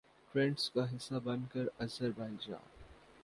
trends کا حصہ بن کر آذربائیجان